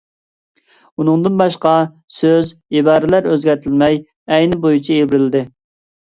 ئۇنىڭدىن باشقا سۆز-ئىبارىلەر ئۆزگەرتىلمەي، ئەينى بويىچە بېرىلدى.